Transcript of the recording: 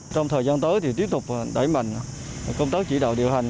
trong thời gian tới thì tiếp tục đẩy mạnh công tác chỉ đạo điều hành